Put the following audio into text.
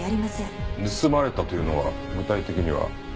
盗まれたというのは具体的には？